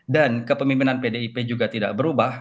dan kepemimpinan pdip juga tidak berubah